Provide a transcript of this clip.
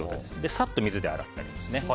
さっと水で洗ってあります。